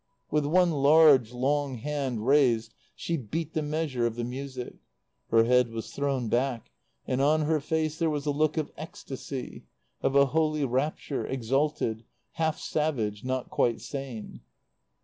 With one large, long hand raised she beat the measure of the music. Her head was thrown back; and on her face there was a look of ecstasy, of a holy rapture, exalted, half savage, not quite sane.